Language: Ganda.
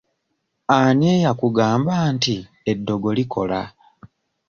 Ani eyakugamba nti eddogo likola?